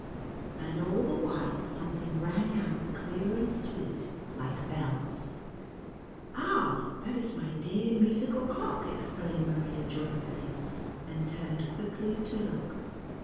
And all the while something rang out clear and sweet like little bells. " Ah, that is my clear musical clock !" exclaimed Maria joyfully, and turned quickly to look.